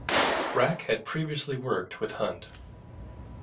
Wrack had previously worked with Hunt.